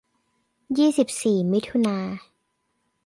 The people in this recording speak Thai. ยี่สิบสี่มิถุนา